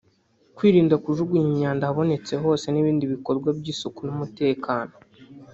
kwirinda kujugunya imyanda ahabonetse hose n’ibindi bikorwa by’isuku n’umutekano